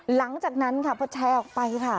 หลังจากนั้นค่ะพอแชร์ออกไปค่ะ